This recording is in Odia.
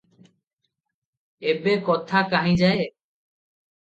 ଏବେ କଥା କାହିଁ ଯାଏ?